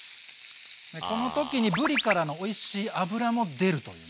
でこの時にぶりからのおいしい脂も出ると。